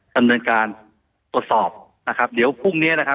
ดำเนินการตรวจสอบนะครับเดี๋ยวพรุ่งเนี้ยนะครับ